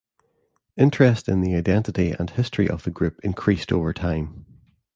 Interest in the identity and history of the group increased over time.